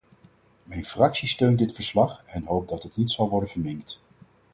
Mijn fractie steunt dit verslag en hoopt dat het niet zal worden verminkt.